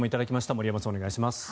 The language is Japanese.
森山さん、お願いします。